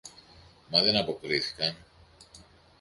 Μα δεν αποκρίθηκαν.